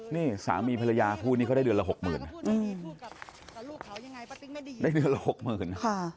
นี่สามีเพลยาผู้นี้ก็ได้เดือนละหกหมื่นได้เดือนละหกหมื่น